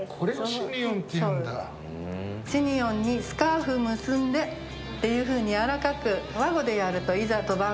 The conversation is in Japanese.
「シニヨンにスカーフ結んで」っていうふうにやわらかく和語でやると「いざ飛ばん」がね